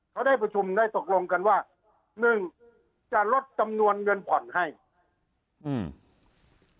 เขาได้ประชุมได้ตกลงกันว่าหนึ่งจะลดจำนวนเงินผ่อนให้อืม